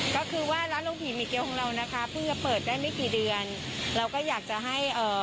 ก็คือว่าร้านโลผีมีเกียร์ของเรานะคะเพิ่งจะเปิดได้ไม่กี่เดือนเราก็อยากจะให้เอ่อ